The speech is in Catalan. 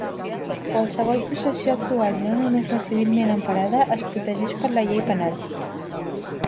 Qualsevol possessió actual i no només la civilment emparada, es protegeix per la llei penal.